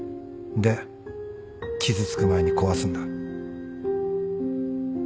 で傷つく前に壊すんだ。